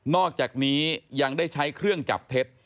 อกจากนี้ยังได้ใช้เครื่องจับเท็จ